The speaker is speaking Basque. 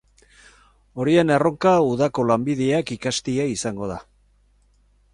Horien erronka udako lanbideak ikastea izango da.